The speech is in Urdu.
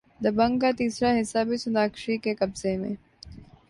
دبنگ کا تیسرا حصہ بھی سوناکشی کے قبضے میں